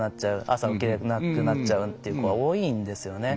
朝、起きれなくなっちゃうっていう子が多いんですよね。